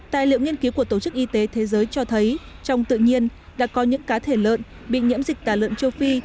tài liệu nghiên cứu của tổ chức y tế thế giới cho thấy trong tự nhiên đã có những cá thể lợn bị nhiễm dịch tả lợn châu phi